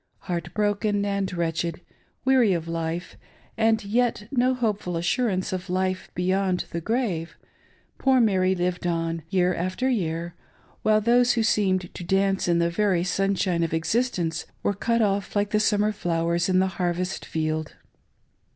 Heartbroken and wretched, weary of life, and yet with no hopeful assurance of life beyond the grave, poor Mary lived on year after year, while those who seemed to dance in the very sunshine of existence were cut off Uke the summer flowers in the harvest field.